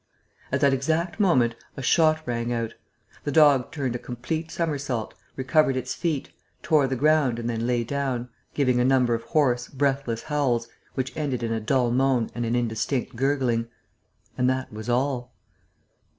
At that exact moment a shot rang out. The dog turned a complete somersault, recovered its feet, tore the ground and then lay down, giving a number of hoarse, breathless howls, which ended in a dull moan and an indistinct gurgling. And that was all.